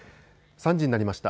３時になりました。